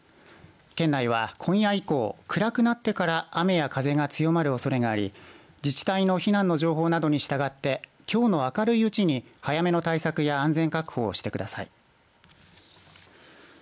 県内は今夜以降、暗くなってから雨や風が強まるおそれがあり自治体の避難の情報などにしたがってきょうの明るいうちに早めの対策や安全確保をしてください。